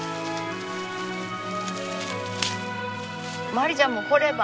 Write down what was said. まりちゃんも来れば？